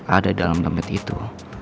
ada dalam dompet itu